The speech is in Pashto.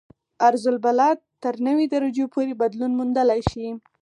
عرض البلد تر نوي درجو پورې بدلون موندلی شي